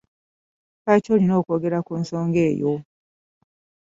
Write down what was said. Lwaki olina okwogera ku nsonga eyo?